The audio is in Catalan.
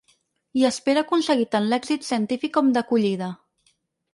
I espera aconseguir tan l’èxit científic com d’acollida.